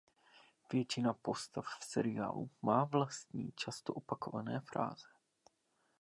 Většina postav v seriálu má vlastní často opakované fráze.